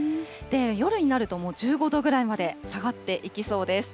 夜になると、１５度ぐらいまで下がっていきそうです。